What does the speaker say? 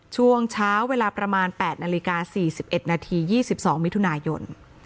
ช่วงเช้าเวลาประมาณ๘นาฬิกา๔๑นาที๒๒มิถุนายน